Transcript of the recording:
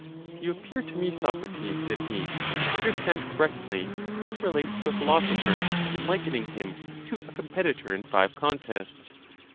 —You appear to me, Socrates, said he, to understand correctly what relates to a philosopher, in likening him to a competitor in five contests.